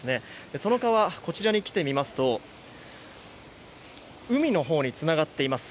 その川、こちらに来てみますと海のほうにつながっています。